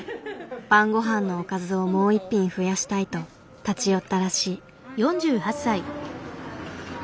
晩ごはんのおかずをもう一品増やしたいと立ち寄ったらしい。